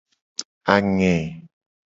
Ange.